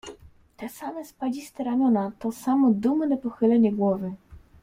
"Te same spadziste ramiona, to samo dumne pochylenie głowy."